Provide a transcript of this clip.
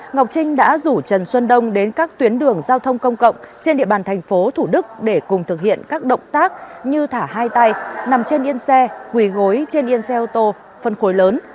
ngọc trinh đã rủ trần xuân đông đến các tuyến đường giao thông công cộng trên địa bàn thành phố thủ đức để cùng thực hiện các động tác như thả hai tay nằm trên yên xe quỳ gối trên yên xe ô tô phân khối lớn